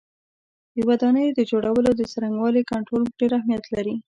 د ودانیو د جوړولو د څرنګوالي کنټرول ډېر اهمیت لري.